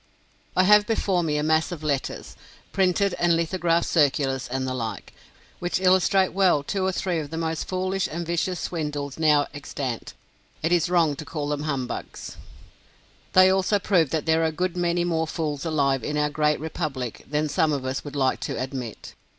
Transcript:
I have before me a mass of letters, printed and lithographed circulars, and the like, which illustrate well two or three of the most foolish and vicious swindles [it is wrong to call them humbugs] now extant. They also prove that there are a good many more fools alive in our Great Republic than some of us would like to admit.